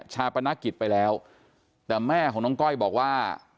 ชาปนกิจไปแล้วแต่แม่ของน้องก้อยบอกว่า